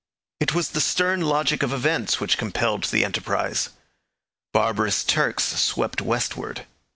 It was the stern logic of events which compelled the enterprise. Barbarous Turks swept westward.